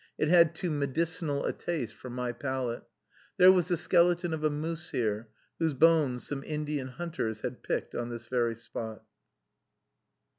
It had too medicinal a taste for my palate. There was the skeleton of a moose here, whose bones some Indian hunters had picked on this very spot.